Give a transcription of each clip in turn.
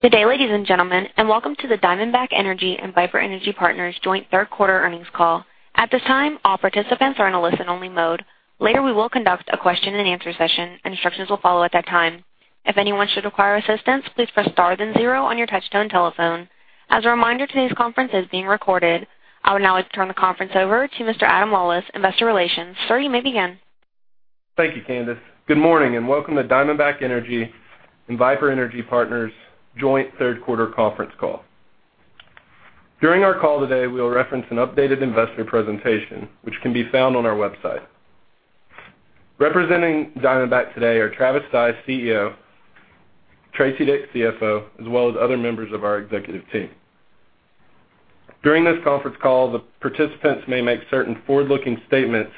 Good day, ladies and gentlemen, and welcome to the Diamondback Energy and Viper Energy Partners joint third quarter earnings call. At this time, all participants are in a listen-only mode. Later, we will conduct a question and answer session. Instructions will follow at that time. If anyone should require assistance, please press star then zero on your touchtone telephone. As a reminder, today's conference is being recorded. I would now like to turn the conference over to Mr. Adam Lawlis, investor relations. Sir, you may begin. Thank you, Candace. Good morning. Welcome to Diamondback Energy and Viper Energy Partners joint third quarter conference call. During our call today, we'll reference an updated investor presentation, which can be found on our website. Representing Diamondback today are Travis Stice, CEO, Teresa Dick, CFO, as well as other members of our executive team. During this conference call, the participants may make certain forward-looking statements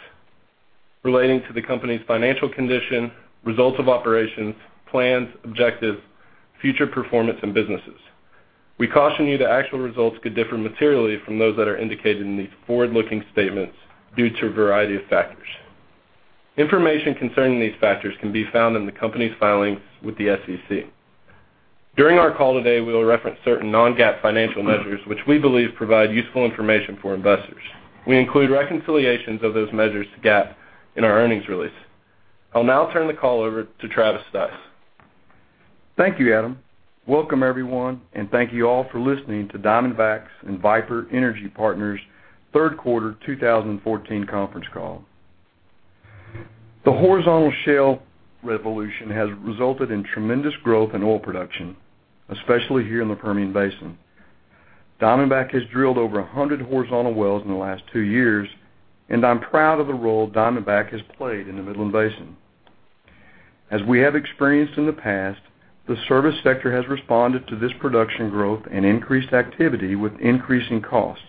relating to the company's financial condition, results of operations, plans, objectives, future performance, and businesses. We caution you that actual results could differ materially from those that are indicated in these forward-looking statements due to a variety of factors. Information concerning these factors can be found in the company's filings with the SEC. During our call today, we'll reference certain non-GAAP financial measures, which we believe provide useful information for investors. We include reconciliations of those measures to GAAP in our earnings release. I'll now turn the call over to Travis Stice. Thank you, Adam. Welcome everyone. Thank you all for listening to Diamondback's and Viper Energy Partners' third quarter 2014 conference call. The horizontal shale revolution has resulted in tremendous growth in oil production, especially here in the Permian Basin. Diamondback has drilled over 100 horizontal wells in the last two years, and I'm proud of the role Diamondback has played in the Midland Basin. As we have experienced in the past, the service sector has responded to this production growth and increased activity with increasing costs,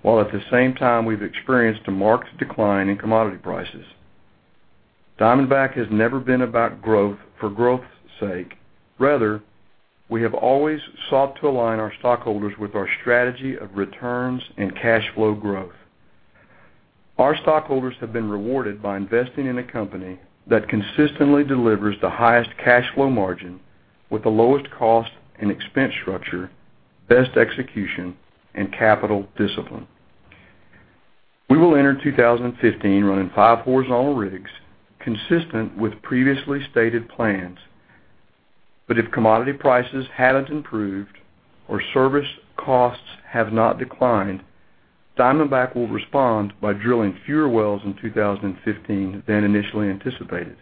while at the same time, we've experienced a marked decline in commodity prices. Diamondback has never been about growth for growth's sake. Rather, we have always sought to align our stockholders with our strategy of returns and cash flow growth. Our stockholders have been rewarded by investing in a company that consistently delivers the highest cash flow margin with the lowest cost and expense structure, best execution, and capital discipline. We will enter 2015 running five horizontal rigs consistent with previously stated plans. If commodity prices haven't improved or service costs have not declined, Diamondback will respond by drilling fewer wells in 2015 than initially anticipated.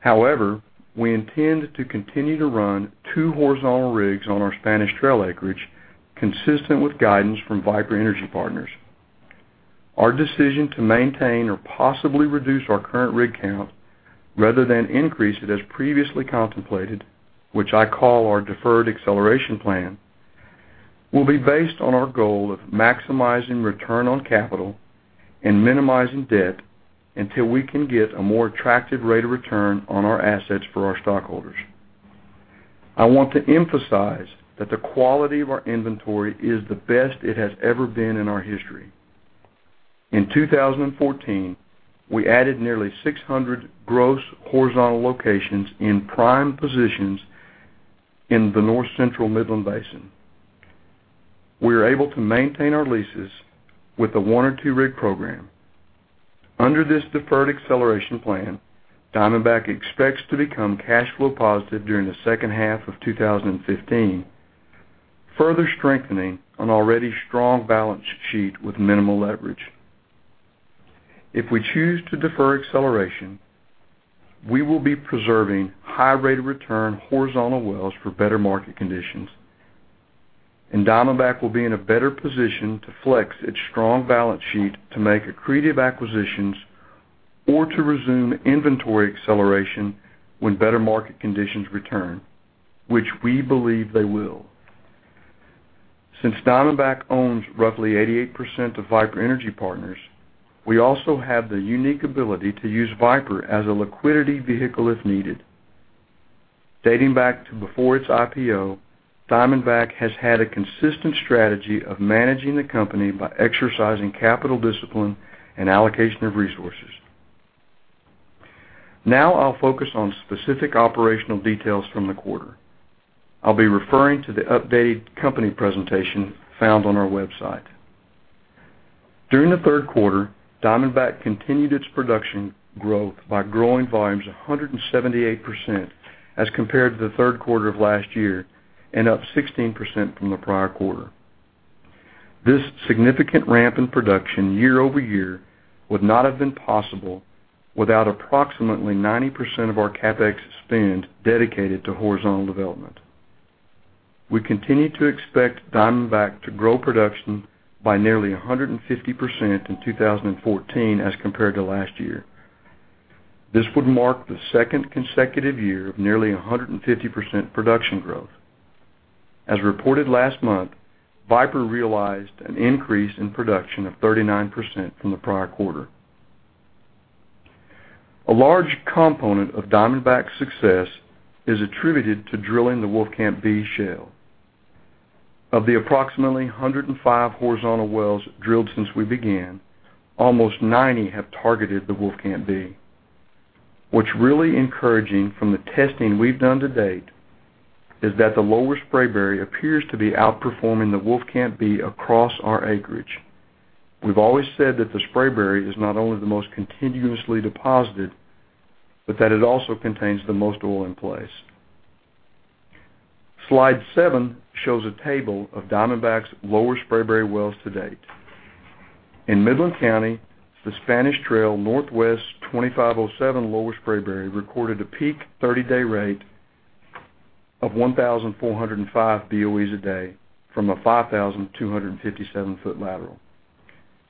However, we intend to continue to run two horizontal rigs on our Spanish Trail acreage, consistent with guidance from Viper Energy Partners. Our decision to maintain or possibly reduce our current rig count rather than increase it as previously contemplated, which I call our deferred acceleration plan, will be based on our goal of maximizing return on capital and minimizing debt until we can get a more attractive rate of return on our assets for our stockholders. I want to emphasize that the quality of our inventory is the best it has ever been in our history. In 2014, we added nearly 600 gross horizontal locations in prime positions in the North Central Midland Basin. We are able to maintain our leases with a one or two-rig program. Under this deferred acceleration plan, Diamondback expects to become cash flow positive during the second half of 2015, further strengthening an already strong balance sheet with minimal leverage. If we choose to defer acceleration, we will be preserving high rate of return horizontal wells for better market conditions, and Diamondback will be in a better position to flex its strong balance sheet to make accretive acquisitions or to resume inventory acceleration when better market conditions return, which we believe they will. Since Diamondback owns roughly 88% of Viper Energy Partners, we also have the unique ability to use Viper as a liquidity vehicle if needed. Dating back to before its IPO, Diamondback has had a consistent strategy of managing the company by exercising capital discipline and allocation of resources. Now I'll focus on specific operational details from the quarter. I'll be referring to the updated company presentation found on our website. During the third quarter, Diamondback continued its production growth by growing volumes 178% as compared to the third quarter of last year and up 16% from the prior quarter. This significant ramp in production year-over-year would not have been possible without approximately 90% of our CapEx spend dedicated to horizontal development. We continue to expect Diamondback to grow production by nearly 150% in 2014 as compared to last year. This would mark the second consecutive year of nearly 150% production growth. As reported last month, Viper realized an increase in production of 39% from the prior quarter. A large component of Diamondback's success is attributed to drilling the Wolfcamp B shale. Of the approximately 105 horizontal wells drilled since we began, almost 90 have targeted the Wolfcamp B. What's really encouraging from the testing we've done to date is that the Lower Spraberry appears to be outperforming the Wolfcamp B across our acreage. We've always said that the Spraberry is not only the most continuously deposited, but that it also contains the most oil in place. Slide seven shows a table of Diamondback's Lower Spraberry wells to date. In Midland County, the Spanish Trail Northwest 2507 Lower Spraberry recorded a peak 30-day rate of 1,405 BOEs a day from a 5,257-foot lateral.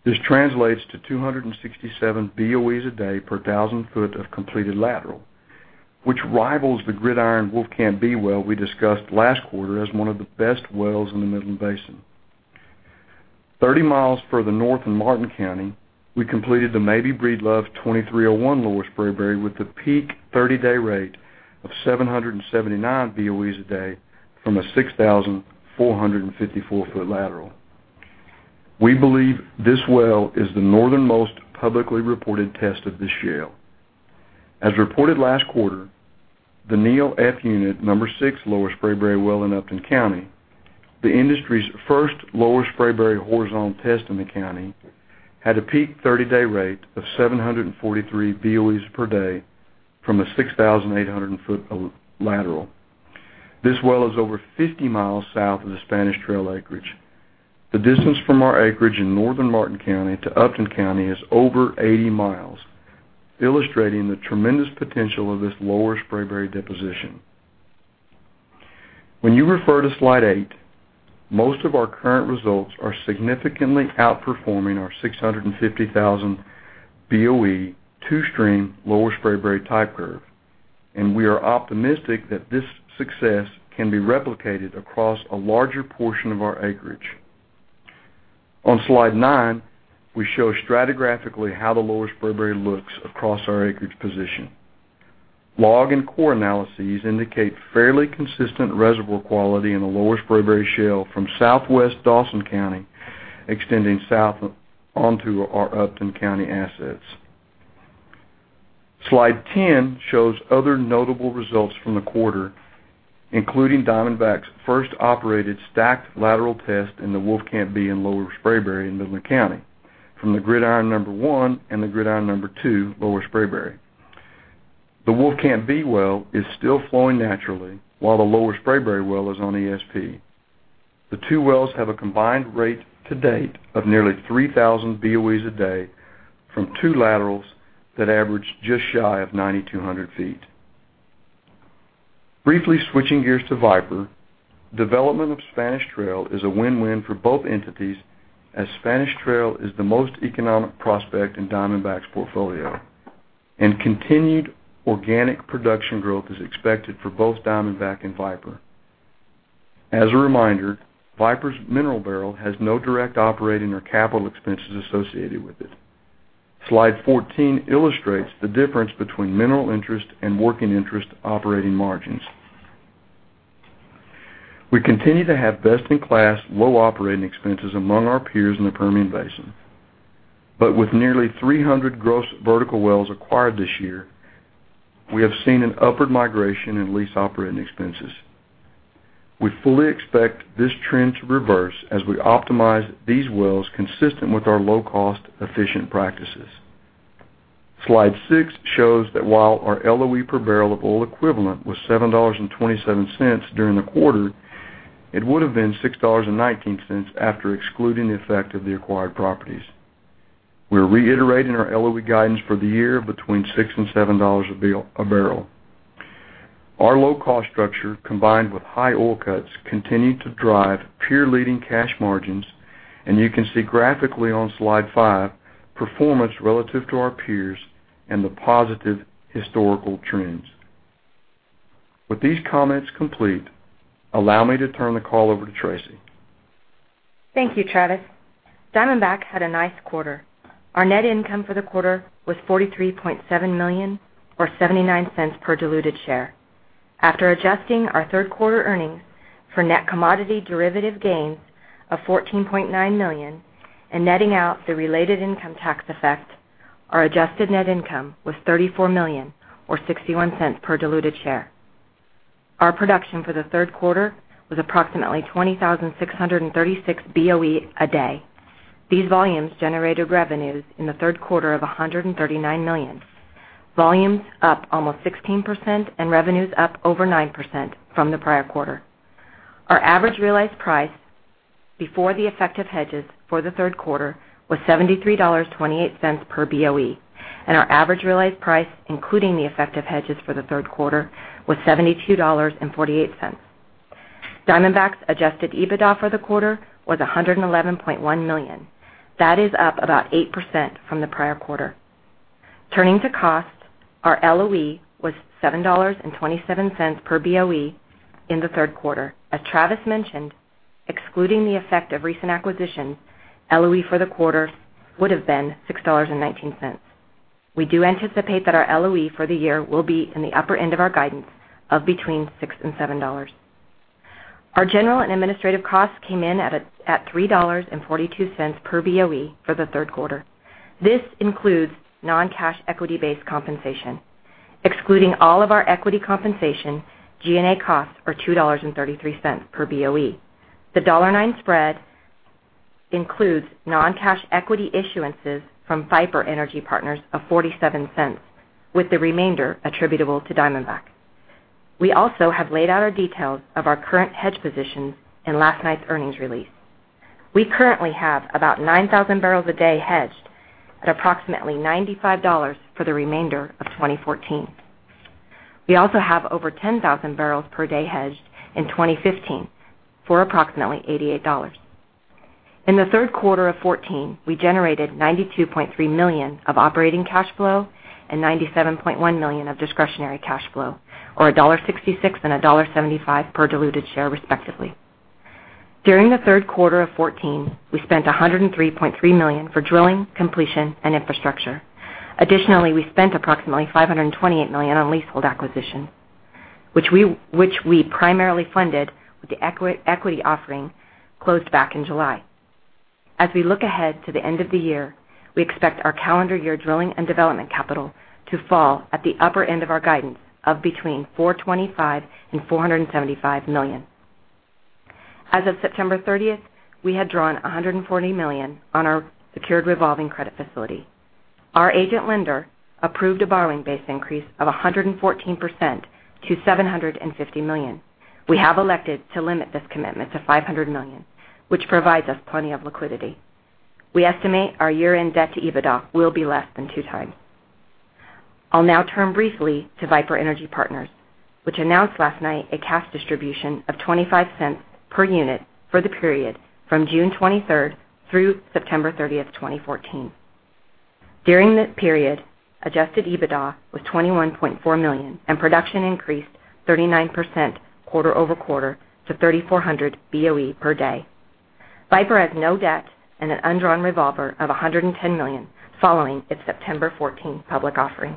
This translates to 267 BOEs a day per 1,000-foot of completed lateral, which rivals the Gridiron Wolfcamp B well we discussed last quarter as one of the best wells in the Midland Basin. 30 miles further north in Martin County, we completed the Mabee Breedlove 2301 Lower Spraberry with the peak 30-day rate of 779 BOEs a day from a 6,454-foot lateral. We believe this well is the northernmost publicly reported test of this shale. As reported last quarter, the Neal F Unit number 6 Lower Spraberry well in Upton County, the industry's first Lower Spraberry horizontal test in the county, had a peak 30-day rate of 743 BOEs per day from a 6,800-foot lateral. This well is over 50 miles south of the Spanish Trail acreage. The distance from our acreage in northern Martin County to Upton County is over 80 miles, illustrating the tremendous potential of this Lower Spraberry deposition. When you refer to slide eight, most of our current results are significantly outperforming our 650,000 BOE two-stream Lower Spraberry type curve, and we are optimistic that this success can be replicated across a larger portion of our acreage. On slide nine, we show stratigraphically how the Lower Spraberry looks across our acreage position. Log and core analyses indicate fairly consistent reservoir quality in the Lower Spraberry shale from southwest Dawson County extending south onto our Upton County assets. Slide 10 shows other notable results from the quarter, including Diamondback's first operated stacked lateral test in the Wolfcamp B in Lower Spraberry in Midland County from the Gridiron number 1 and the Gridiron number 2 Lower Spraberry. The Wolfcamp B well is still flowing naturally while the Lower Spraberry well is on ESP. The two wells have a combined rate to date of nearly 3,000 BOEs a day from two laterals that average just shy of 9,200 feet. Briefly switching gears to Viper, development of Spanish Trail is a win-win for both entities as Spanish Trail is the most economic prospect in Diamondback's portfolio, and continued organic production growth is expected for both Diamondback and Viper. As a reminder, Viper's mineral barrel has no direct operating or capital expenses associated with it. Slide 14 illustrates the difference between mineral interest and working interest operating margins. We continue to have best-in-class low operating expenses among our peers in the Permian Basin. But with nearly 300 gross vertical wells acquired this year, we have seen an upward migration in lease operating expenses. We fully expect this trend to reverse as we optimize these wells consistent with our low-cost efficient practices. Slide six shows that while our LOE per barrel of oil equivalent was $7.27 during the quarter, it would've been $6.19 after excluding the effect of the acquired properties. We're reiterating our LOE guidance for the year between $6 and $7 a barrel. Our low-cost structure, combined with high oil cuts, continue to drive peer-leading cash margins, and you can see graphically on slide five performance relative to our peers and the positive historical trends. With these comments complete, allow me to turn the call over to Teresa. Thank you, Travis. Diamondback had a nice quarter. Our net income for the quarter was $43.7 million, or $0.79 per diluted share. After adjusting our third quarter earnings for net commodity derivative gains of $14.9 million and netting out the related income tax effect, our adjusted net income was $34 million, or $0.61 per diluted share. Our production for the third quarter was approximately 20,636 BOE a day. These volumes generated revenues in the third quarter of $139 million. Volumes up almost 16% and revenues up over 9% from the prior quarter. Our average realized price before the effective hedges for the third quarter was $73.28 per BOE, and our average realized price, including the effective hedges for the third quarter, was $72.48. Diamondback's adjusted EBITDA for the quarter was $111.1 million. That is up about 8% from the prior quarter. Turning to costs, our LOE was $7.27 per BOE in the third quarter. As Travis mentioned, excluding the effect of recent acquisitions, LOE for the quarter would've been $6.19. We do anticipate that our LOE for the year will be in the upper end of our guidance of between $6 and $7. Our general and administrative costs came in at $3.42 per BOE for the third quarter. This includes non-cash equity-based compensation. Excluding all of our equity compensation, G&A costs are $2.33 per BOE. The $1.9 spread includes non-cash equity issuances from Viper Energy Partners of $0.47, with the remainder attributable to Diamondback. We also have laid out our details of our current hedge positions in last night's earnings release. We currently have about 9,000 barrels a day hedged at approximately $95 for the remainder of 2014. We also have over 10,000 barrels per day hedged in 2015 for approximately $88. In the third quarter of 2014, we generated $92.3 million of operating cash flow and $97.1 million of discretionary cash flow, or $1.66 and $1.75 per diluted share, respectively. During the third quarter of 2014, we spent $103.3 million for drilling, completion, and infrastructure. Additionally, we spent approximately $528 million on leasehold acquisition, which we primarily funded with the equity offering closed back in July. As we look ahead to the end of the year, we expect our calendar year drilling and development capital to fall at the upper end of our guidance of between $425 million and $475 million. As of September 30th, we had drawn $140 million on our secured revolving credit facility. Our agent lender approved a borrowing base increase of 114% to $750 million. We have elected to limit this commitment to $500 million, which provides us plenty of liquidity. We estimate our year-end debt to EBITDA will be less than two times. I'll now turn briefly to Viper Energy Partners, which announced last night a cash distribution of $0.25 per unit for the period from June 23rd through September 30th, 2014. During that period, adjusted EBITDA was $21.4 million and production increased 39% quarter-over-quarter to 3,400 BOE per day. Viper has no debt and an undrawn revolver of $110 million following its September 2014 public offering.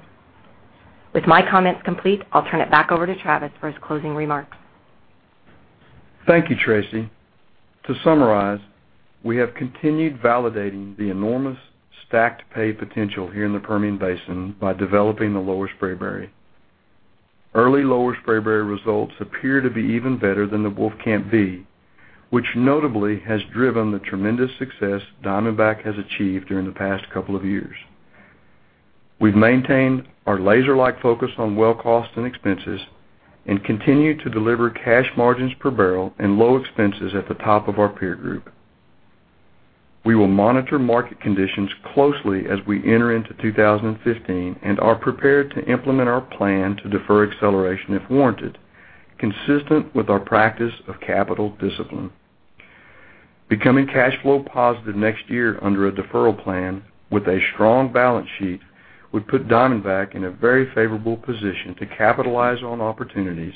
With my comments complete, I'll turn it back over to Travis for his closing remarks. Thank you, Teresa. To summarize, we have continued validating the enormous stacked pay potential here in the Permian Basin by developing the Lower Spraberry. Early Lower Spraberry results appear to be even better than the Wolfcamp B, which notably has driven the tremendous success Diamondback has achieved during the past couple of years. We've maintained our laser-like focus on well cost and expenses and continue to deliver cash margins per barrel and low expenses at the top of our peer group. We will monitor market conditions closely as we enter into 2015 and are prepared to implement our plan to defer acceleration if warranted, consistent with our practice of capital discipline. Becoming cash flow positive next year under a deferral plan with a strong balance sheet would put Diamondback in a very favorable position to capitalize on opportunities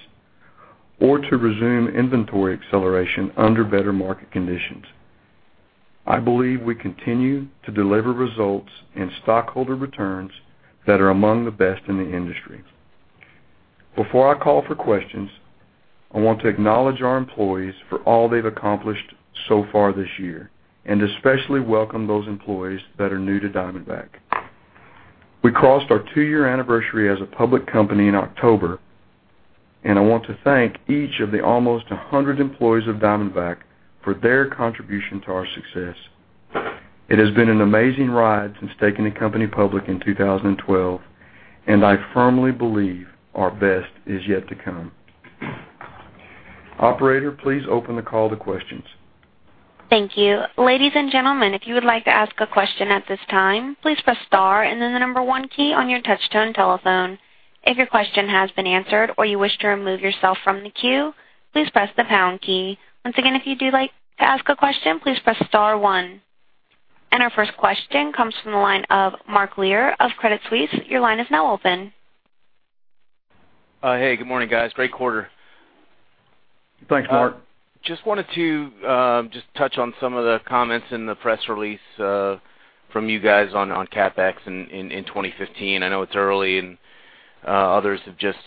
or to resume inventory acceleration under better market conditions. I believe we continue to deliver results in stockholder returns that are among the best in the industry. Before I call for questions, I want to acknowledge our employees for all they've accomplished so far this year, and especially welcome those employees that are new to Diamondback. We crossed our two-year anniversary as a public company in October, and I want to thank each of the almost 100 employees of Diamondback for their contribution to our success. It has been an amazing ride since taking the company public in 2012, and I firmly believe our best is yet to come. Operator, please open the call to questions. Thank you. Ladies and gentlemen, if you would like to ask a question at this time, please press star and then the number one key on your touchtone telephone. If your question has been answered or you wish to remove yourself from the queue, please press the pound key. Once again, if you do like to ask a question, please press star one. Our first question comes from the line of Mark Lear of Credit Suisse. Your line is now open. Hey, good morning, guys. Great quarter. Thanks, Mark. Just wanted to touch on some of the comments in the press release from you guys on CapEx in 2015. I know it's early and others have just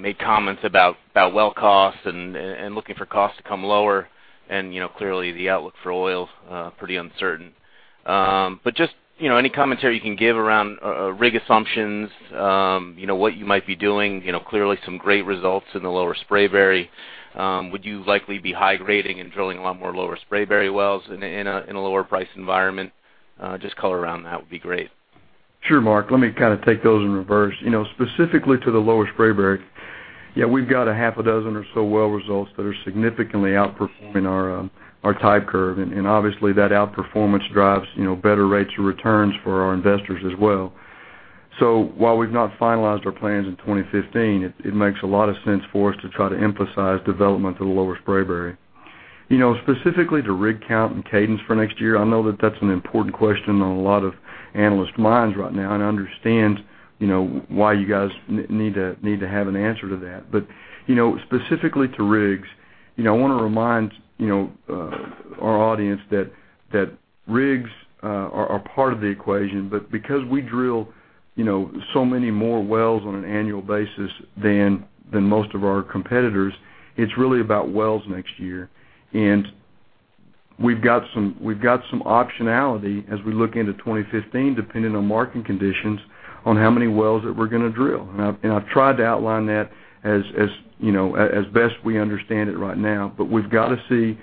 made comments about well costs and looking for costs to come lower and clearly the outlook for oil is pretty uncertain. Just any commentary you can give around rig assumptions, what you might be doing, clearly some great results in the Lower Spraberry. Would you likely be high-grading and drilling a lot more Lower Spraberry wells in a lower price environment? Just color around that would be great. Sure, Mark. Let me take those in reverse. Specifically to the Lower Spraberry, yeah, we've got a half a dozen or so well results that are significantly outperforming our type curve, and obviously that outperformance drives better rates of returns for our investors as well. While we've not finalized our plans in 2015, it makes a lot of sense for us to try to emphasize development of the Lower Spraberry. Specifically to rig count and cadence for next year, I know that that's an important question on a lot of analysts' minds right now, and I understand why you guys need to have an answer to that. Specifically to rigs I want to remind our audience that rigs are part of the equation, but because we drill so many more wells on an annual basis than most of our competitors, it's really about wells next year. We've got some optionality as we look into 2015, depending on market conditions, on how many wells that we're going to drill. I've tried to outline that as best we understand it right now. We've got to see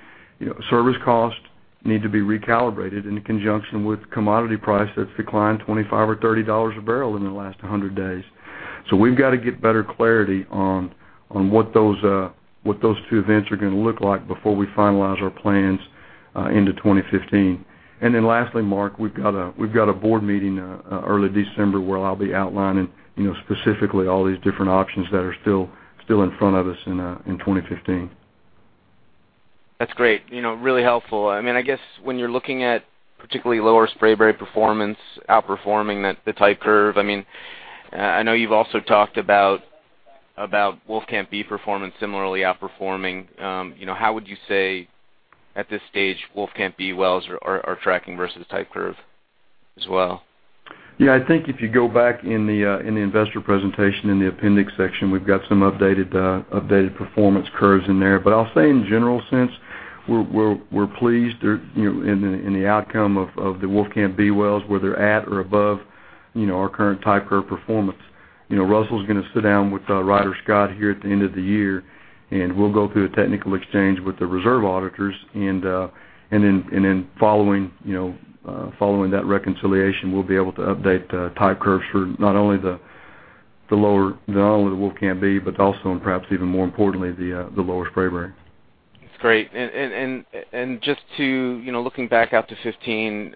service costs need to be recalibrated in conjunction with commodity price that's declined $25 or $30 a barrel in the last 100 days. We've got to get better clarity on what those two events are going to look like before we finalize our plans into 2015. Then lastly, Mark, we've got a board meeting early December where I'll be outlining specifically all these different options that are still in front of us in 2015. That's great. Really helpful. I guess when you're looking at particularly Lower Spraberry performance outperforming the type curve, I know you've also talked about Wolfcamp B performance similarly outperforming. How would you say, at this stage, Wolfcamp B wells are tracking versus type curve as well? Yeah, I think if you go back in the investor presentation, in the appendix section, we've got some updated performance curves in there. I'll say in general sense, we're pleased in the outcome of the Wolfcamp B wells where they're at or above our current type curve performance. Russell's going to sit down with Ryder Scott here at the end of the year, we'll go through a technical exchange with the reserve auditors, then following that reconciliation, we'll be able to update type curves for not only the Wolfcamp B, but also, perhaps even more importantly, the Lower Spraberry. That's great. Just looking back out to 2015,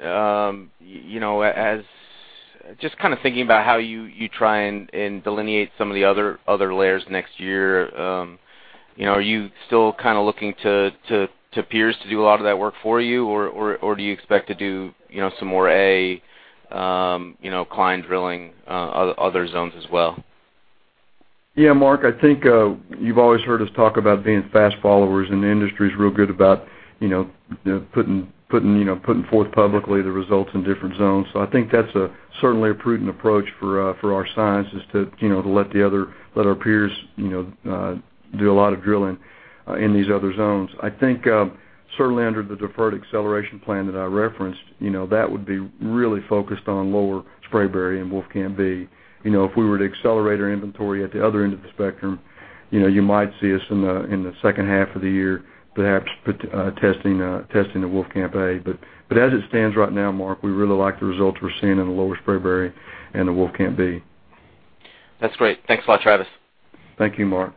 just thinking about how you try and delineate some of the other layers next year, are you still looking to peers to do a lot of that work for you, or do you expect to do some more appraisal drilling other zones as well? Yeah, Mark, I think you've always heard us talk about being fast followers, the industry's real good about putting forth publicly the results in different zones. I think that's certainly a prudent approach for our sciences to let our peers do a lot of drilling in these other zones. I think certainly under the deferred acceleration plan that I referenced, that would be really focused on Lower Spraberry and Wolfcamp B. If we were to accelerate our inventory at the other end of the spectrum, you might see us in the second half of the year, perhaps testing the Wolfcamp A. As it stands right now, Mark, we really like the results we're seeing in the Lower Spraberry and the Wolfcamp B. That's great. Thanks a lot, Travis. Thank you, Mark.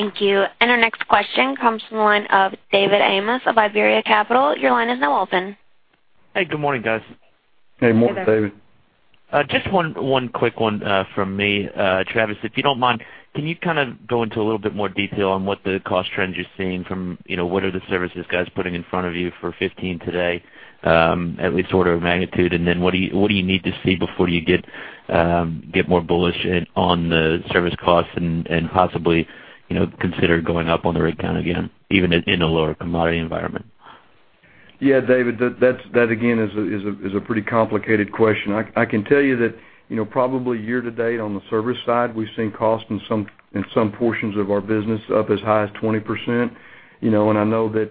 Thank you. Our next question comes from the line of David Amos of Iberia Capital. Your line is now open. Hey, good morning, guys. Hey, morning, David. Just one quick one from me. Travis, if you don't mind, can you go into a little bit more detail on what the cost trends you're seeing from what are the services guys putting in front of you for 2015 today, at least order of magnitude? What do you need to see before you get more bullish on the service costs and possibly consider going up on the rig count again, even in a lower commodity environment? Yeah, David, that again, is a pretty complicated question. I can tell you that probably year-to-date on the service side, we've seen costs in some portions of our business up as high as 20%. I know that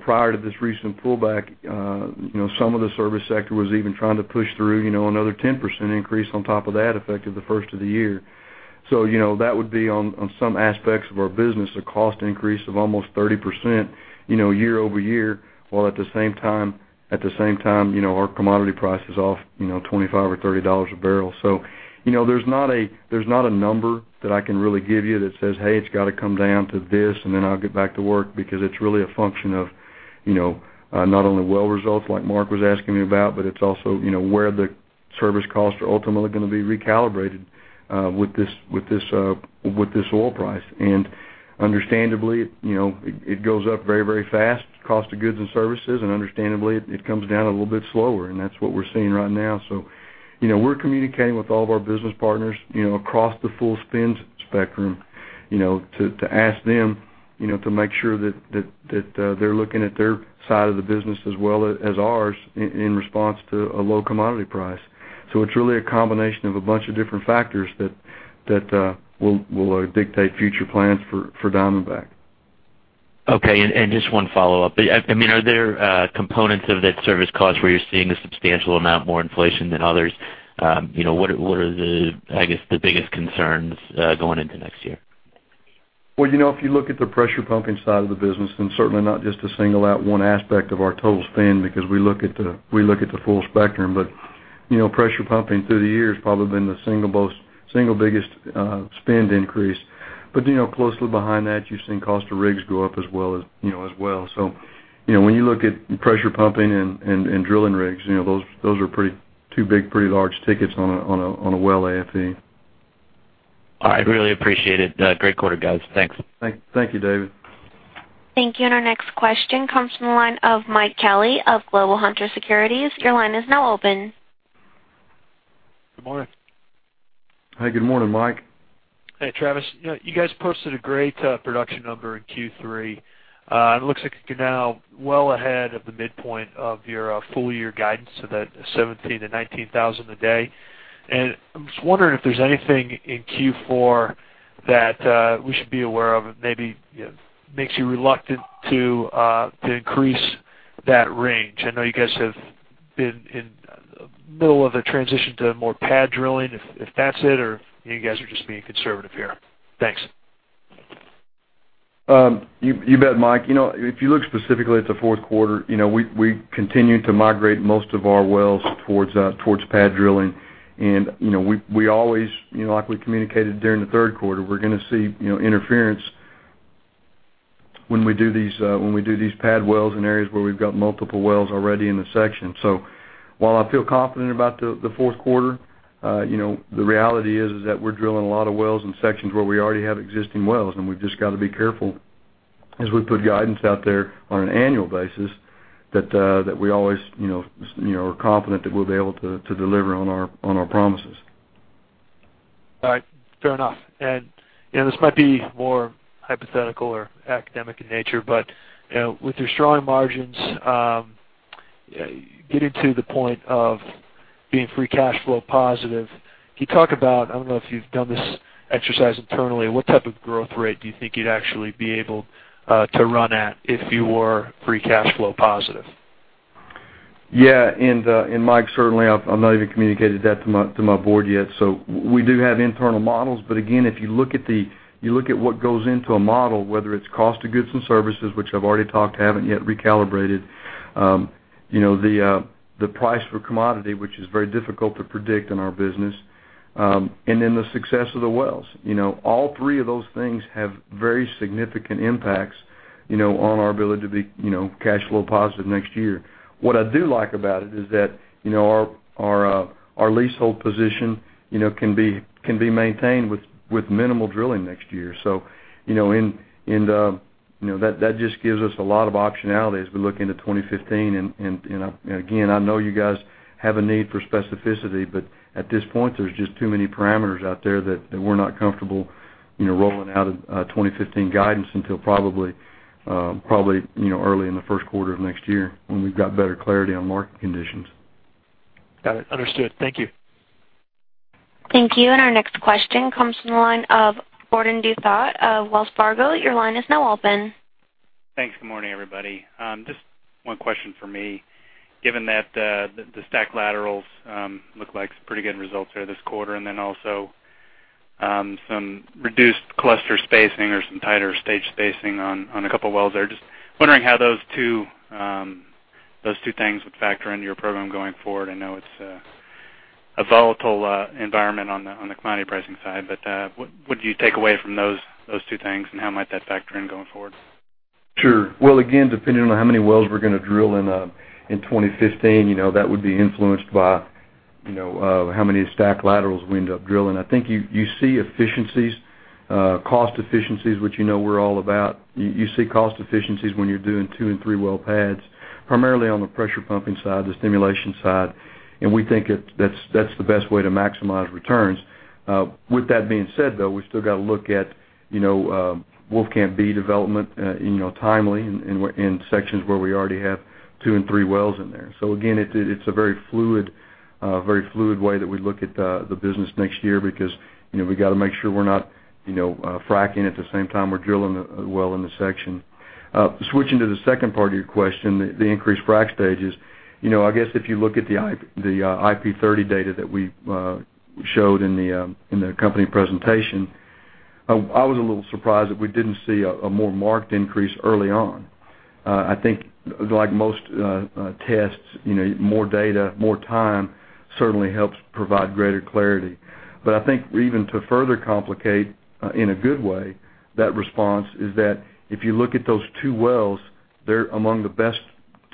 prior to this recent pullback, some of the service sector was even trying to push through another 10% increase on top of that effect of the first of the year. That would be on some aspects of our business, a cost increase of almost 30% year-over-year, while at the same time, our commodity price is off $25 or $30 a barrel. There's not a number that I can really give you that says, "Hey, it's got to come down to this, and then I'll get back to work," because it's really a function of not only well results like Mark was asking me about, but it's also where the service costs are ultimately going to be recalibrated with this oil price. Understandably, it goes up very fast, cost of goods and services, understandably, it comes down a little bit slower, that's what we're seeing right now. We're communicating with all of our business partners across the full spend spectrum to ask them to make sure that they're looking at their side of the business as well as ours in response to a low commodity price. It's really a combination of a bunch of different factors that will dictate future plans for Diamondback. Okay, just one follow-up. Are there components of that service cost where you're seeing a substantial amount more inflation than others? What are the biggest concerns going into next year? If you look at the pressure pumping side of the business, and certainly not just to single out one aspect of our total spend, because we look at the full spectrum, but pressure pumping through the years probably been the single biggest spend increase. Closely behind that, you've seen cost of rigs go up as well. When you look at pressure pumping and drilling rigs, those are two big, pretty large tickets on a well AFE. All right. Really appreciate it. Great quarter, guys. Thanks. Thank you, David. Thank you. Our next question comes from the line of Mike Kelly of Global Hunter Securities. Your line is now open. Good morning. Hey, good morning, Mike. Hey, Travis. You guys posted a great production number in Q3. It looks like you're now well ahead of the midpoint of your full year guidance of that 17,000-19,000 a day. I'm just wondering if there's anything in Q4 that we should be aware of that maybe makes you reluctant to increase that range. I know you guys have been in the middle of a transition to more pad drilling, if that's it, or you guys are just being conservative here. Thanks. You bet, Mike. If you look specifically at the fourth quarter, we continue to migrate most of our wells towards pad drilling, and we always, like we communicated during the third quarter, we're going to see interference when we do these pad wells in areas where we've got multiple wells already in the section. While I feel confident about the fourth quarter, the reality is that we're drilling a lot of wells in sections where we already have existing wells, and we've just got to be careful as we put guidance out there on an annual basis that we always are confident that we'll be able to deliver on our promises. All right. Fair enough. This might be more hypothetical or academic in nature, but with your strong margins, getting to the point of being free cash flow positive, can you talk about, I don't know if you've done this exercise internally, what type of growth rate do you think you'd actually be able to run at if you were free cash flow positive? Yeah. Mike, certainly, I've not even communicated that to my board yet. We do have internal models, but again, if you look at what goes into a model, whether it's cost of goods and services, which I've already talked to, haven't yet recalibrated. The price for commodity, which is very difficult to predict in our business, and then the success of the wells. All three of those things have very significant impacts on our ability to be cash flow positive next year. What I do like about it is that our leasehold position can be maintained with minimal drilling next year. That just gives us a lot of optionality as we look into 2015. Again, I know you guys have a need for specificity, but at this point, there's just too many parameters out there that we're not comfortable rolling out a 2015 guidance until probably early in the first quarter of next year when we've got better clarity on market conditions. Got it. Understood. Thank you. Thank you. Our next question comes from the line of Gordon Douthat of Wells Fargo. Your line is now open. Thanks. Good morning, everybody. Just one question from me. Given that the stack laterals look like some pretty good results there this quarter, also some reduced cluster spacing or some tighter stage spacing on a couple wells there. Just wondering how those two things would factor into your program going forward. I know it's a volatile environment on the commodity pricing side, but what do you take away from those two things, and how might that factor in going forward? Sure. Well, again, depending on how many wells we're going to drill in 2015, that would be influenced by how many stack laterals we end up drilling. I think you see efficiencies, cost efficiencies, which you know we're all about. You see cost efficiencies when you're doing two and three well pads, primarily on the pressure pumping side, the stimulation side, we think that's the best way to maximize returns. With that being said, though, we still got to look at Wolfcamp B development timely in sections where we already have two and three wells in there. Again, it's a very fluid way that we look at the business next year because we got to make sure we're not fracking at the same time we're drilling a well in the section. Switching to the second part of your question, the increased frack stages. If you look at the IP 30 data that we showed in the company presentation, I was a little surprised that we didn't see a more marked increase early on. I think, like most tests, more data, more time certainly helps provide greater clarity. I think even to further complicate, in a good way, that response is that if you look at those two wells, they're among the best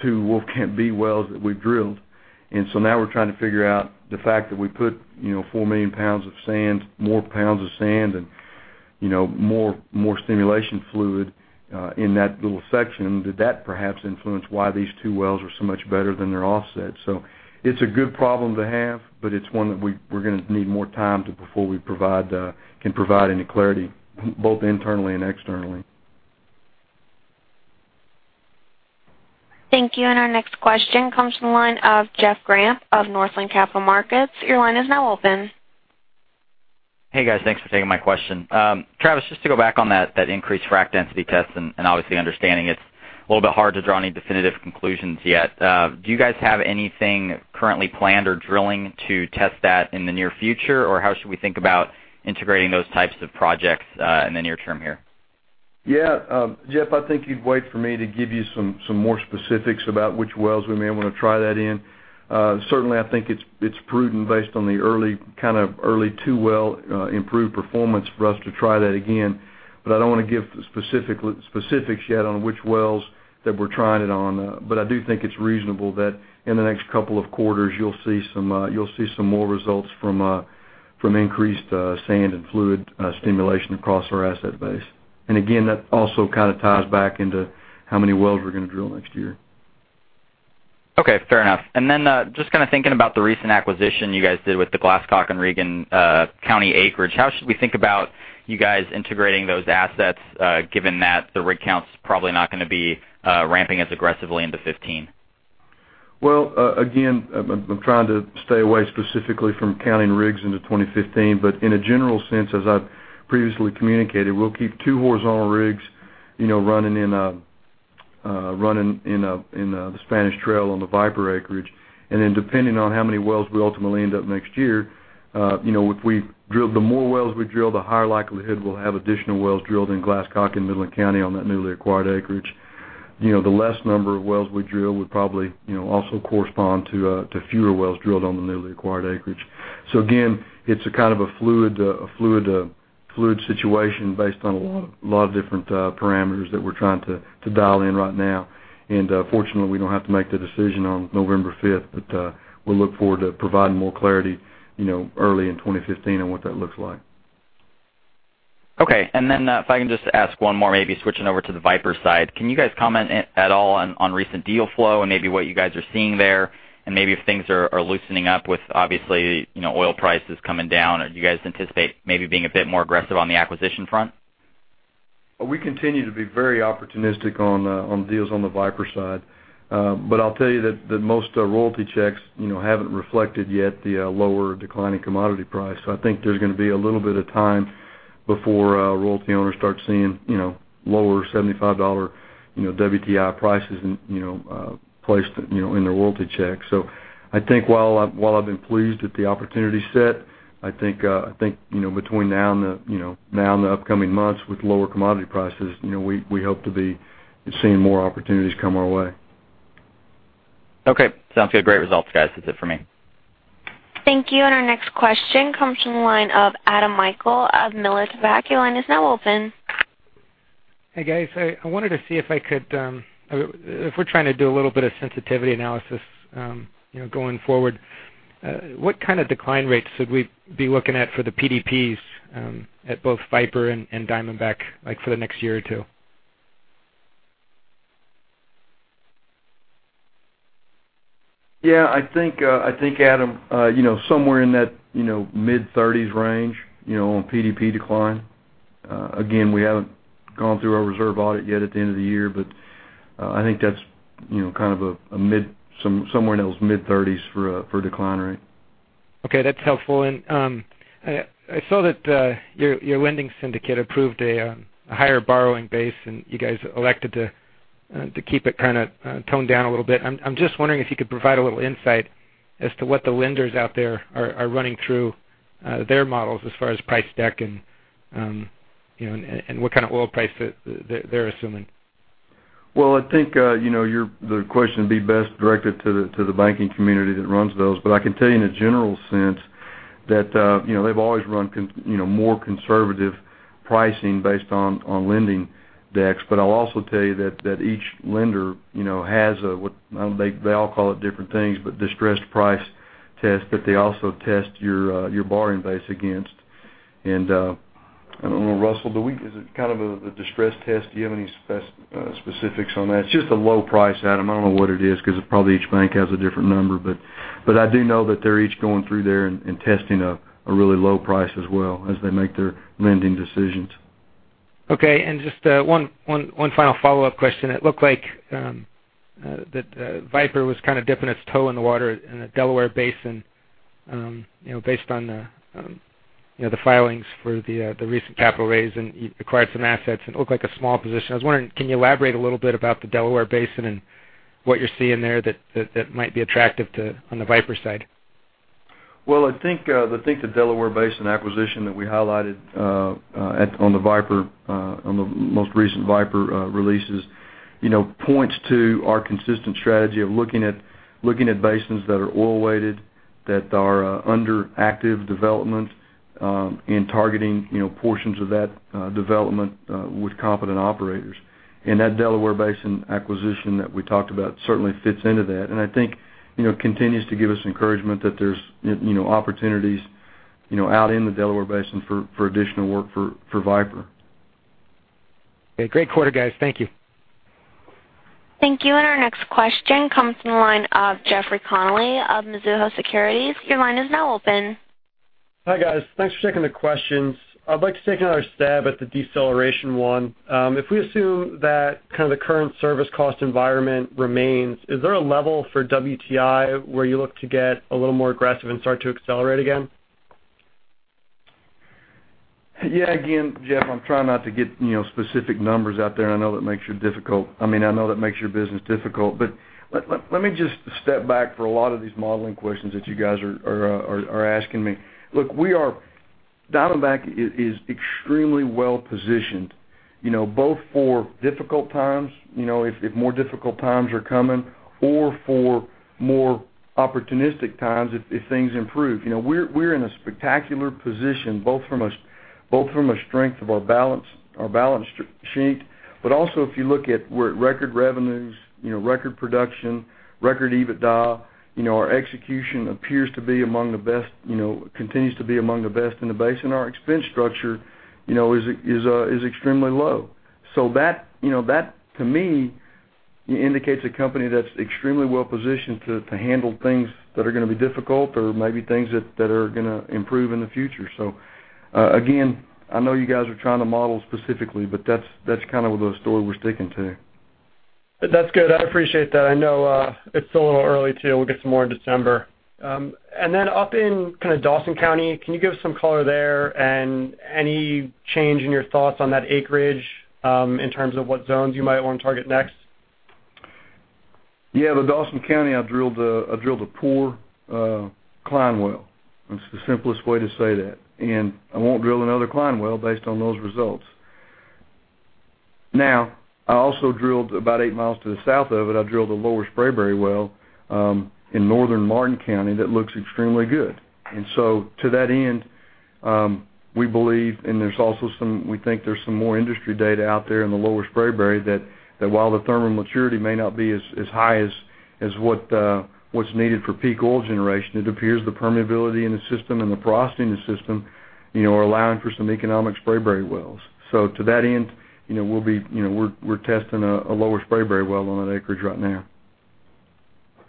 two Wolfcamp B wells that we've drilled. Now we're trying to figure out the fact that we put 4 million pounds of sand, more pounds of sand, and more stimulation fluid, in that little section. Did that perhaps influence why these two wells are so much better than their offsets? It's a good problem to have, but it's one that we're going to need more time before we can provide any clarity, both internally and externally. Thank you. Our next question comes from the line of Jeff Grampp of Northland Capital Markets. Your line is now open. Hey, guys. Thanks for taking my question. Travis, just to go back on that increased frack density test, obviously understanding it's a little bit hard to draw any definitive conclusions yet. Do you guys have anything currently planned or drilling to test that in the near future, or how should we think about integrating those types of projects in the near term here? Yeah. Jeff, I think you'd wait for me to give you some more specifics about which wells we may want to try that in. Certainly, I think it's prudent based on the early 2 well improved performance for us to try that again. I don't want to give specifics yet on which wells that we're trying it on. I do think it's reasonable that in the next couple of quarters, you'll see some more results from increased sand and fluid stimulation across our asset base. Again, that also ties back into how many wells we're going to drill next year. Okay, fair enough. Just thinking about the recent acquisition you guys did with the Glasscock and Reagan County acreage, how should we think about you guys integrating those assets, given that the rig count's probably not going to be ramping as aggressively into 2015? Well again, I'm trying to stay away specifically from counting rigs into 2015. In a general sense, as I've previously communicated, we'll keep 2 horizontal rigs running in the Spanish Trail on the Viper acreage. Depending on how many wells we ultimately end up next year, the more wells we drill, the higher likelihood we'll have additional wells drilled in Glasscock and Midland County on that newly acquired acreage. The less number of wells we drill would probably also correspond to fewer wells drilled on the newly acquired acreage. Again, it's a kind of a fluid situation based on a lot of different parameters that we're trying to dial in right now. Fortunately, we don't have to make the decision on November 5th, but we look forward to providing more clarity early in 2015 on what that looks like. Okay. If I can just ask one more, maybe switching over to the Viper side. Can you guys comment at all on recent deal flow and maybe what you guys are seeing there, and maybe if things are loosening up with, obviously, oil prices coming down? Do you guys anticipate maybe being a bit more aggressive on the acquisition front? We continue to be very opportunistic on deals on the Viper side. I'll tell you that most royalty checks haven't reflected yet the lower declining commodity price. I think there's going to be a little bit of time before royalty owners start seeing lower $75 WTI prices placed in their royalty check. I think while I've been pleased at the opportunity set, I think between now and the upcoming months with lower commodity prices, we hope to be seeing more opportunities come our way. Okay. Sounds good. Great results, guys. That's it for me. Thank you. Our next question comes from the line of Adam Michael of Miller Tabak. Is now open. Hey, guys. I wanted to see if we're trying to do a little bit of sensitivity analysis going forward, what kind of decline rates should we be looking at for the PDPs at both Viper and Diamondback, like, for the next year or two? Yeah, I think, Adam, somewhere in that mid-30s range on PDP decline. Again, we haven't gone through our reserve audit yet at the end of the year, but I think that's somewhere in those mid-30s for decline rate. Okay, that's helpful. I saw that your lending syndicate approved a higher borrowing base, and you guys elected to keep it toned down a little bit. I'm just wondering if you could provide a little insight as to what the lenders out there are running through their models as far as price deck and what kind of oil price they're assuming. Well, I think the question would be best directed to the banking community that runs those. I can tell you in a general sense that they've always run more conservative pricing based on lending decks. I'll also tell you that each lender has a, they all call it different things, but distressed price test, but they also test your borrowing base against. I don't know, Russell, the week is it kind of a distressed test? Do you have any specifics on that? It's just a low price, Adam. I don't know what it is because probably each bank has a different number. I do know that they're each going through there and testing a really low price as well as they make their lending decisions. Okay. Just one final follow-up question. It looked like that Viper was dipping its toe in the water in the Delaware Basin based on the filings for the recent capital raise, and you acquired some assets, and it looked like a small position. I was wondering, can you elaborate a little bit about the Delaware Basin and what you're seeing there that might be attractive on the Viper side? Well, I think the Delaware Basin acquisition that we highlighted on the most recent Viper releases points to our consistent strategy of looking at basins that are oil-weighted, that are under active development, and targeting portions of that development with competent operators. That Delaware Basin acquisition that we talked about certainly fits into that, and I think continues to give us encouragement that there's opportunities out in the Delaware Basin for additional work for Viper. Okay. Great quarter, guys. Thank you. Thank you. Our next question comes from the line of Jeffrey Connelly of Mizuho Securities. Your line is now open. Hi, guys. Thanks for taking the questions. I'd like to take another stab at the deceleration one. If we assume that the current service cost environment remains, is there a level for WTI where you look to get a little more aggressive and start to accelerate again? Yeah, again, Jeff, I'm trying not to get specific numbers out there. I know that makes your business difficult. Let me just step back for a lot of these modeling questions that you guys are asking me. Look, Diamondback is extremely well-positioned, both for difficult times, if more difficult times are coming, or for more opportunistic times if things improve. We're in a spectacular position both from a strength of our balance sheet. Also if you look at, we're at record revenues, record production, record EBITDA. Our execution continues to be among the best in the Basin. Our expense structure is extremely low. That, to me indicates a company that's extremely well-positioned to handle things that are going to be difficult or maybe things that are going to improve in the future. Again, I know you guys are trying to model specifically, but that's kind of the story we're sticking to. That's good. I appreciate that. I know it's still a little early too. We'll get some more in December. Then up in Dawson County, can you give us some color there and any change in your thoughts on that acreage in terms of what zones you might want to target next? Yeah, the Dawson County, I drilled a poor Cline well. That's the simplest way to say that. I won't drill another Cline well based on those results. Now, I also drilled about eight miles to the south of it. I drilled a Lower Spraberry well in northern Martin County that looks extremely good. To that end, we believe, and we think there's some more industry data out there in the Lower Spraberry, that while the thermal maturity may not be as high as what's needed for peak oil generation, it appears the permeability in the system and the porosity in the system are allowing for some economic Spraberry wells. To that end, we're testing a Lower Spraberry well on that acreage right now.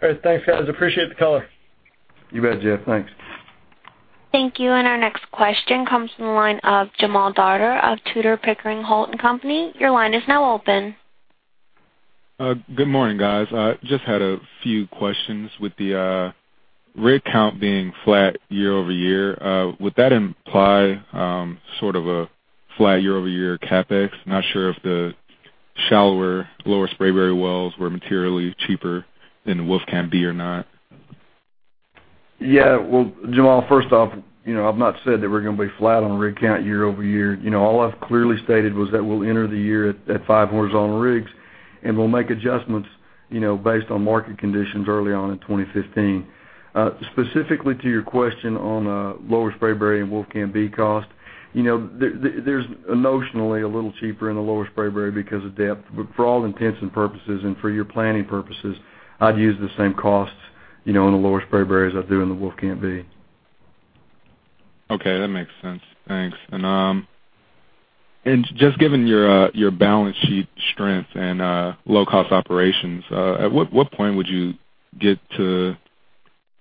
Great. Thanks, guys. Appreciate the color. You bet, Jeff. Thanks. Thank you. Our next question comes from the line of Jamaal Dardar of Tudor, Pickering, Holt & Co.. Your line is now open. Good morning, guys. Just had a few questions. With the rig count being flat year-over-year, would that imply sort of a flat year-over-year CapEx? Not sure if the shallower Lower Spraberry wells were materially cheaper than Wolfcamp B or not. Yeah. Well, Jamaal, first off, I've not said that we're going to be flat on rig count year-over-year. All I've clearly stated was that we'll enter the year at five horizontal rigs, and we'll make adjustments based on market conditions early on in 2015. Specifically to your question on Lower Spraberry and Wolfcamp B cost, they're nominally a little cheaper in the Lower Spraberry because of depth. For all intents and purposes and for your planning purposes, I'd use the same costs in the Lower Spraberry as I do in the Wolfcamp B. Okay. That makes sense. Thanks. Just given your balance sheet strength and low-cost operations, at what point would you get to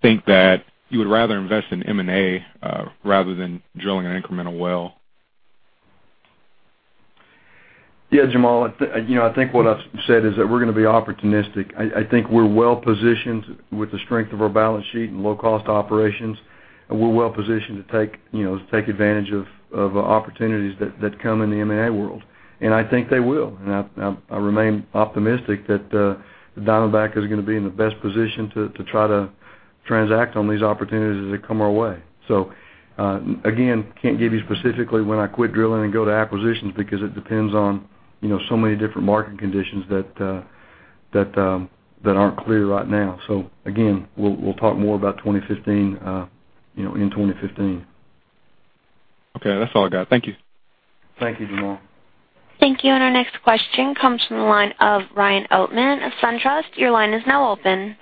think that you would rather invest in M&A rather than drilling an incremental well? Yeah, Jamal, I think what I've said is that we're going to be opportunistic. I think we're well-positioned with the strength of our balance sheet and low-cost operations, we're well-positioned to take advantage of opportunities that come in the M&A world, and I think they will. I remain optimistic that Diamondback is going to be in the best position to try to transact on these opportunities as they come our way. Again, can't give you specifically when I quit drilling and go to acquisitions, because it depends on so many different market conditions that aren't clear right now. Again, we'll talk more about 2015 in 2015. Okay, that's all I got. Thank you. Thank you, JeDon. Thank you. Our next question comes from the line of Ryan Oatman of SunTrust. Your line is now open.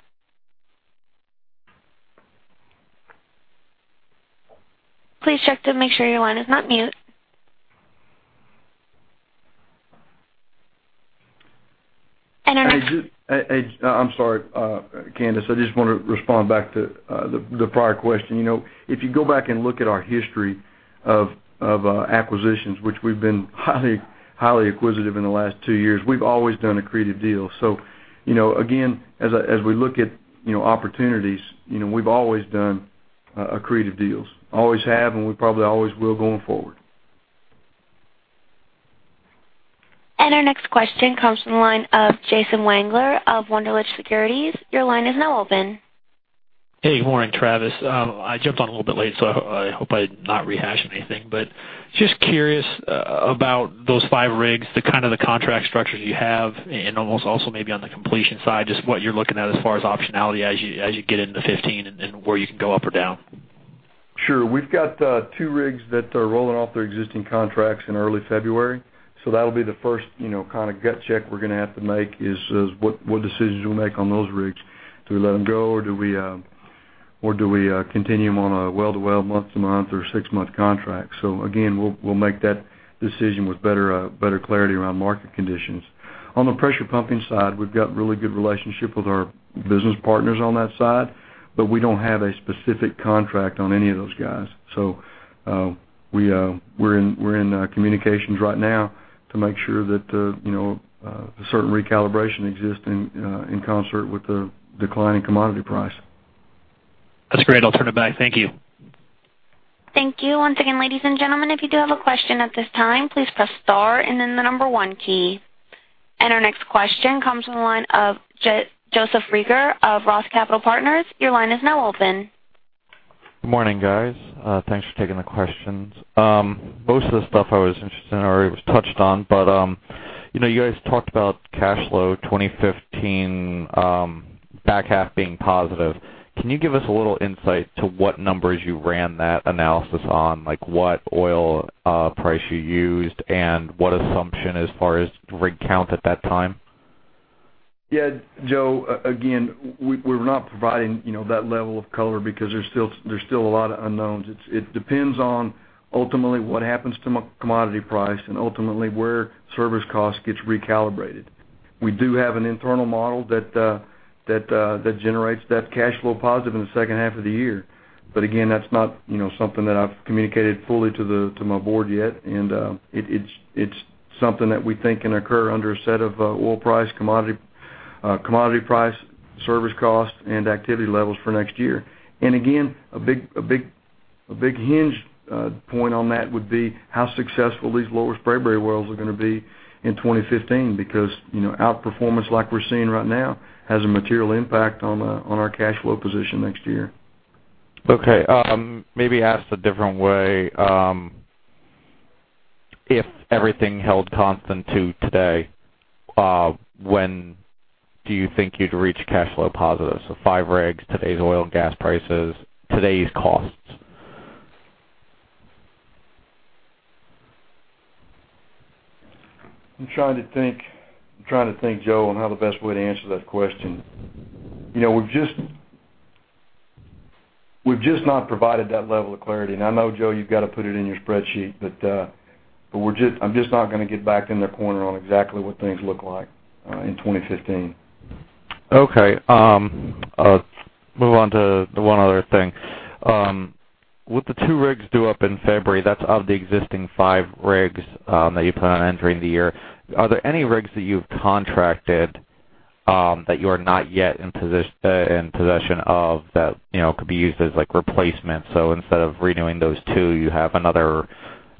Please check to make sure your line is not mute. Hey, I'm sorry Candace, I just want to respond back to the prior question. If you go back and look at our history of acquisitions, which we've been highly acquisitive in the last two years, we've always done accretive deals. Again, as we look at opportunities, we've always done accretive deals. Always have, and we probably always will going forward. Our next question comes from the line of Jason Wangler of Wunderlich Securities. Your line is now open. Hey, good morning, Travis. I jumped on a little bit late, so I hope I'm not rehashing anything. Just curious about those five rigs, the kind of the contract structures you have, and almost also maybe on the completion side, just what you're looking at as far as optionality as you get into 2015 and where you can go up or down. Sure. We've got two rigs that are rolling off their existing contracts in early February. That'll be the first gut check we're going to have to make, is what decisions we'll make on those rigs. Do we let them go, or do we continue them on a well-to-well, month-to-month or six-month contract? Again, we'll make that decision with better clarity around market conditions. On the pressure pumping side, we've got really good relationship with our business partners on that side, but we don't have a specific contract on any of those guys. We're in communications right now to make sure that a certain recalibration exists in concert with the decline in commodity price. That's great. I'll turn it back. Thank you. Thank you. Once again, ladies and gentlemen, if you do have a question at this time, please press star and then the number one key. Our next question comes from the line of Joseph Reagor of Roth Capital Partners. Your line is now open. Good morning, guys. Thanks for taking the questions. Most of the stuff I was interested in already was touched on, but you guys talked about cash flow 2015 back half being positive. Can you give us a little insight to what numbers you ran that analysis on? Like what oil price you used and what assumption as far as rig count at that time? Yeah, Joe, again, we're not providing that level of color because there's still a lot of unknowns. It depends on ultimately what happens to commodity price and ultimately where service cost gets recalibrated. We do have an internal model that generates that cash flow positive in the second half of the year. Again, that's not something that I've communicated fully to my board yet, and it's something that we think can occur under a set of oil price, commodity price, service cost, and activity levels for next year. Again, a big hinge point on that would be how successful these Lower Spraberry wells are going to be in 2015, because outperformance like we're seeing right now has a material impact on our cash flow position next year. Okay. Maybe asked a different way. If everything held constant to today, when do you think you'd reach cash flow positive? Five rigs, today's oil and gas prices, today's costs. I'm trying to think, Joe, on how the best way to answer that question. We've just not provided that level of clarity. I know, Joe, you've got to put it in your spreadsheet, but I'm just not going to get backed in the corner on exactly what things look like in 2015. Okay. I'll move on to the one other thing. With the 2 rigs due up in February, that's of the existing 5 rigs that you plan on entering the year, are there any rigs that you've contracted that you are not yet in possession of that could be used as replacement? Instead of renewing those 2, you have another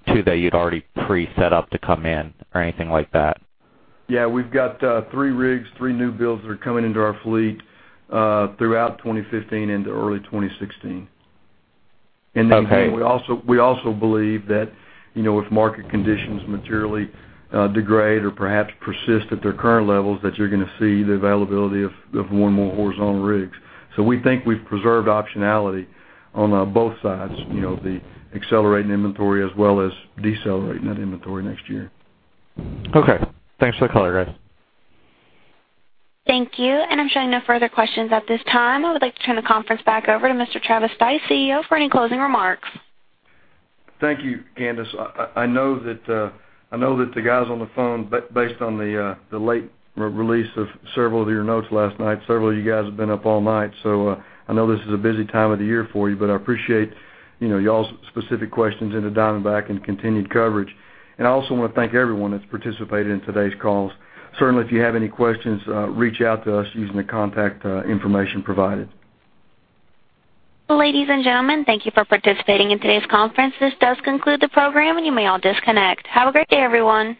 2 that you'd already pre-set up to come in or anything like that? Yeah, we've got 3 rigs, 3 new builds that are coming into our fleet throughout 2015 into early 2016. Okay. Again, we also believe that if market conditions materially degrade or perhaps persist at their current levels, that you're going to see the availability of one more horizontal rig. We think we've preserved optionality on both sides, the accelerating inventory as well as decelerating that inventory next year. Okay. Thanks for the color, guys. Thank you. I'm showing no further questions at this time. I would like to turn the conference back over to Mr. Travis Stice, CEO, for any closing remarks. Thank you, Candace. I know that the guys on the phone, based on the late release of several of your notes last night, several of you guys have been up all night. I know this is a busy time of the year for you, but I appreciate y'all's specific questions into Diamondback and continued coverage. I also want to thank everyone that's participated in today's call. Certainly, if you have any questions, reach out to us using the contact information provided. Ladies and gentlemen, thank you for participating in today's conference. This does conclude the program, and you may all disconnect. Have a great day, everyone.